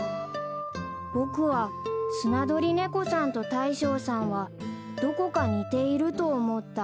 ［僕はスナドリネコさんと大将さんはどこか似ていると思った］